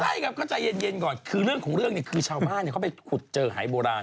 ใช่ครับก็ใจเย็นก่อนคือเรื่องของเรื่องเนี่ยคือชาวบ้านเขาไปขุดเจอหายโบราณ